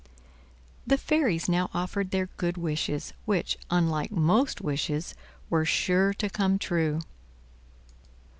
The fairies now offered their good wishes, which, unlike most wishes, were sure to come true.